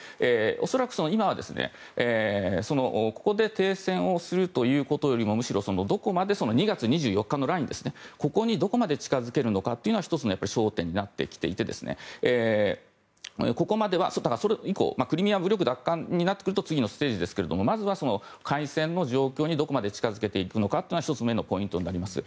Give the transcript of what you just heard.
恐らく今は、ここで停戦をするということよりもむしろ、どこまで２月２４日のラインここにどこまで近づけるのかは１つの焦点になってきていてそれ以降クリミア武力奪還となってくると次のステージですけどまずは開戦の状況にどこまで近づけていくのかが１つ目のポイントになります。